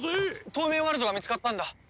トウメイワルドが見つかったんだ。